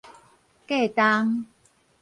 隔冬